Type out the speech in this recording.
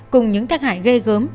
cùng những thác hại gây gớm